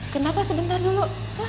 kenapa sebentar dulu